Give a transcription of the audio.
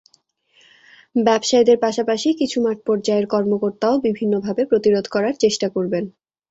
ব্যবসায়ীদের পাশাপাশি কিছু মাঠপর্যায়ের কর্মকর্তাও বিভিন্নভাবে প্রতিরোধ করার চেষ্টা করবেন।